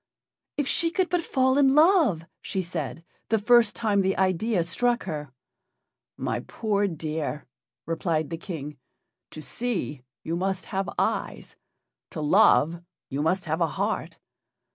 "If she could but fall in love," she said, the first time the idea struck her. "My poor dear!" replied the King, "to see, you must have eyes; to love, you must have a heart."